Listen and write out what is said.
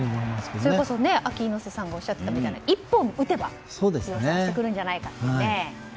それこそＡＫＩ猪瀬さんがおっしゃっていたような１本打てば量産してくるんじゃないかというね。